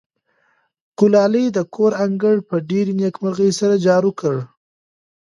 ګلالۍ د کور انګړ په ډېرې نېکمرغۍ سره جارو کړ.